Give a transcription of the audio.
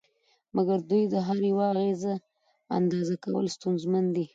مګر د دوی د هر یوه اغېز اندازه کول ستونزمن دي